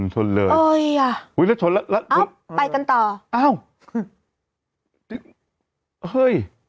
โชนโชนเลยโอ้ยอ่ะอุ๊ยแล้วโชนแล้วเอาไปกันต่ออ้าวเฮ้ย